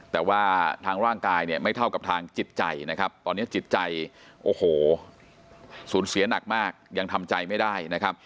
แต่ว่าทางร่างกายเนี่ยไม่เท่ากับทางจิตใจนะครับตอนนี้จิตใจโอ้โหสูญเสียหนักมากยังทำใจไม่ได้นะครับ